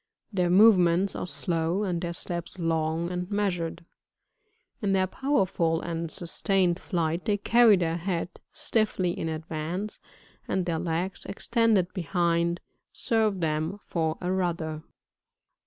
Their movements are slow, and their steps long and measured ; in their powerful and sustained flight, they carry their head stiflBy in advance, and their legs, extended behind, serve them for a rudder.